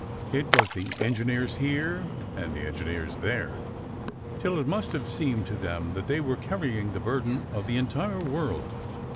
It was "the engineers here" and "the engineers there" till it must have seemed to them that they were carrying the burden of the entire world.